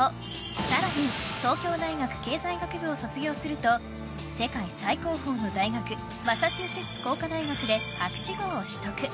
更に、東京大学経済学部を卒業すると世界最高峰の大学マサチューセッツ工科大学で博士号を取得。